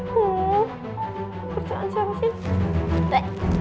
kerjaan siapa sih